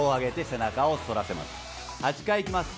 ８回いきます